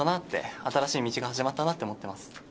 新しい道が始まったなって思っています。